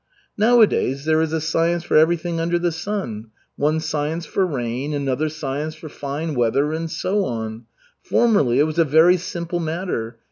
"Nowadays there is a science for everything under the sun. One science for rain, another science for fine weather, and so on. Formerly it was a very simple matter.